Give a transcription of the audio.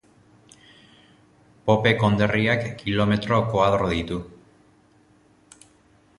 Pope konderriak kilometro koadro ditu.